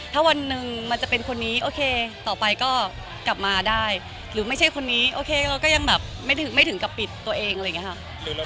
ถ้าวันหนึ่งมันจะเป็นคนนี้โอเคต่อไปก็กลับมาได้หรือไม่ใช่คนนี้โอเคเราก็ยังแบบไม่ถึงกับปิดตัวเองอะไรอย่างนี้ค่ะ